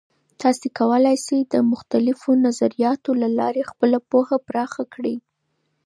تاسې کولای سئ د مختلفو نظریاتو له لارې خپله پوهه پراخه کړئ.